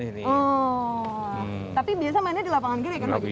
tapi biasa mainnya di lapangan kiri kan pak jk